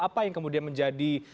apa yang kemudian menjadi